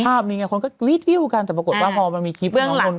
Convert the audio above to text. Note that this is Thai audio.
ภาพนี้ไงคนก็รีดวิวกันแต่ปรากฏว่าพอมันมีคลิปน้องน้อนกุ้นมา